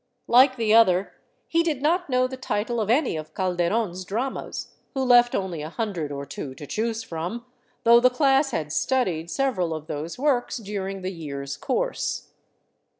Like the other, he did not know the title of any 447 VAGABONDING DOWN THE ANDES of Calderon's dramas, who left only a hundred or two to choose from, though the class had " studied " several of those works during the year's course.